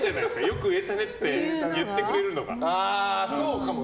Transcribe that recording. よく言えたねって言ってくれるのが。